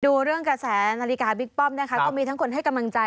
ดูเรื่องกระแสนาฬิกาบิ๊กป้อมนะคะก็มีทั้งคนให้กำลังใจ